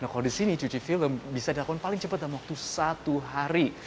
kalau di sini cuci film bisa dilakukan paling cepat dalam waktu satu hari